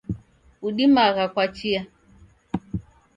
Udimagha kwa chia